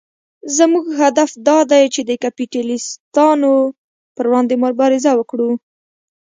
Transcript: زموږ هدف دا دی چې د کپیټلېستانو پر وړاندې مبارزه وکړو.